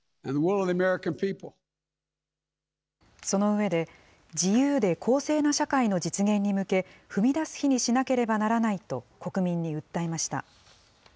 その上で、自由で公正な社会の実現に向け、踏み出す日にしなければならないと国民に訴えました。